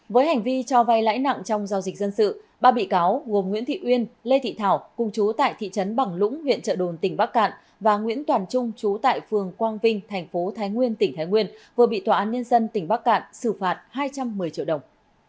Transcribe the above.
với hành vi cho vay lãi nặng trong giao dịch dân sự ba bị cáo gồm nguyễn thị uyên lê thị thảo cung chú tại thị trấn bằng lũng huyện trợ đồn tỉnh bắc cạn và nguyễn toàn trung chú tại phường quang vinh thành phố thái nguyên tỉnh thái nguyên vừa bị tòa án nhân dân tỉnh bắc cạn xử phạt hai trăm một mươi triệu đồng